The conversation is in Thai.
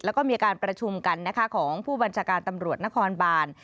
แล้วก็มีการประชุมกันนะคะของผู้บัญชาการตำรวจนครบาน